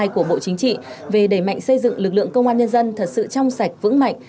của bộ chính trị về đẩy mạnh xây dựng lực lượng công an nhân dân thật sự trong sạch vững mạnh